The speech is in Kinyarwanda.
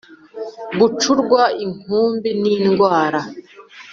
gucurwa inkumbi n’indwara